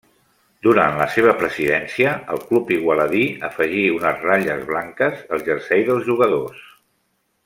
Durant la seva presidència el club igualadí afegí unes ratlles blanques al jersei dels jugadors.